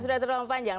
sudah terlalu panjang